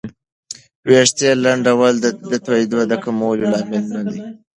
ویښتې لنډول د توېیدو د کمولو لامل نه دی.